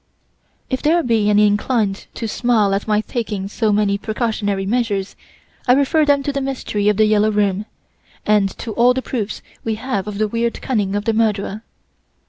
"If there be any inclined to smile at my taking so many precautionary measures, I refer them to the mystery of "The Yellow Room", and to all the proofs we have of the weird cunning of the murderer.